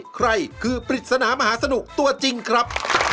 ใครคือปริศนามหาสนุกตัวจริงครับ